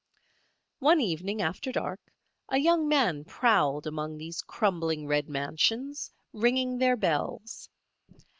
One evening after dark a young man prowled among these crumbling red mansions, ringing their bells.